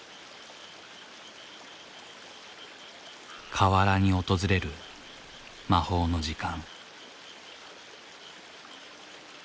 河原に訪れる魔法の時間。